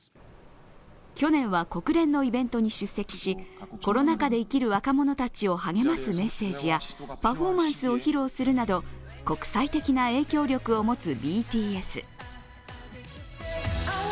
去年は国連のイベントに出席しコロナ禍で生きる若者たちを励ますメッセージやパフォーマンスを披露するなど、国際的な影響力を持つＢＴＳ。